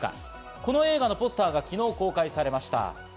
この映画のポスターが昨日公開されました。